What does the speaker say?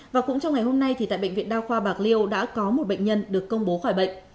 và cũng trong ngày hôm nay thì tại bệnh viện đa khoa bạc liêu đã có một bệnh nhân được công bố khỏi bệnh